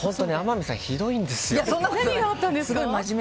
本当に天海さんひどいんですよ。